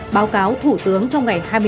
báo cáo thuốc chống dịch covid một mươi chín